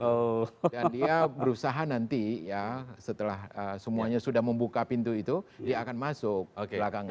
jadi dia berusaha nanti ya setelah semuanya sudah membuka pintu itu dia akan masuk belakangnya